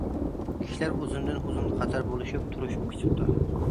كىشىلەر ئۇزۇندىن- ئۇزۇن قاتار بولۇشۇپ تۇرۇشۇپ كېتىپتۇ.